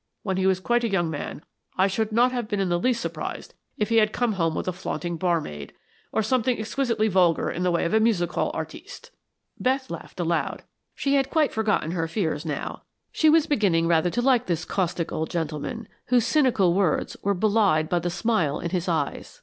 When he was quite a young man, I should not have been in the least surprised if he had come home with a flaunting barmaid, or something exquisitely vulgar in the way of a music hall artiste." Beth laughed aloud. She had quite forgotten her fears now; she was beginning rather to like this caustic old gentleman, whose cynical words were belied by the smile in his eyes.